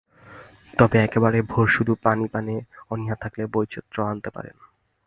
তবে একেবারে ভোরে শুধু পানি পানে অনীহা থাকলে বৈচিত্র্য আনতে পারেন।